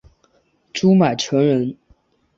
朱买臣人。